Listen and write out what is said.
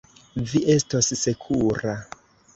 Vi estos sekura.